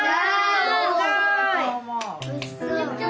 おいしそう。